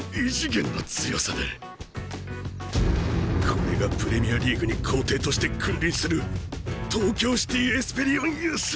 これがプレミアリーグに皇帝として君臨する東京シティ・エスペリオンユース！